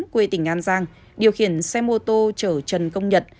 quê tỉnh an giang điều khiển xe mô tô chở trần công nhật